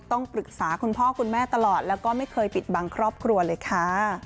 ต้องปรึกษาคุณพ่อคุณแม่ตลอดแล้วก็ไม่เคยปิดบังครอบครัวเลยค่ะ